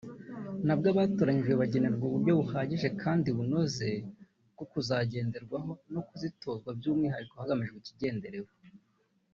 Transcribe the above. nabwo abatoranyijwe bagenerwa uburyo buhagije kandi bunoze bwo kuzibandaho no kuzitozwa by’umwihariko hagamijwe ikigenderewe